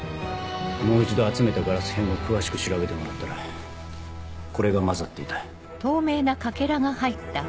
もう一度集めたガラス片を詳しく調べてもらったらこれが交ざっていた。